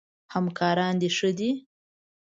همکاران د ښه دي؟